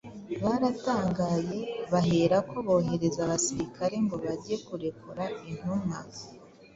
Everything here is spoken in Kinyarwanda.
baratangaye baherako bohereza abasirikare ngo bajye kurekura intumwa.